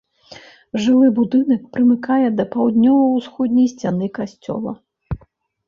Жылы будынак прымыкае да паўднёва-ўсходняй сцяны касцёла.